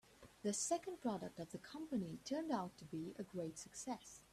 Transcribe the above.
The second product of the company turned out to be a great success.